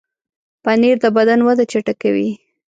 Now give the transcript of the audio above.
پنېر د بدن وده چټکوي.